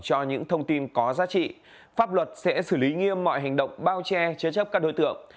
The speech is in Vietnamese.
do những thông tin có giá trị pháp luật sẽ xử lý nghiêm mọi hành động bao che chế chấp các đối tượng